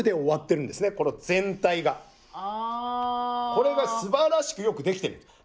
これがすばらしくよく出来ている。